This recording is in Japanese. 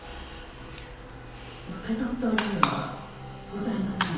受け取った覚えはございません。